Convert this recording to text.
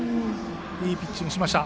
いいピッチングしました。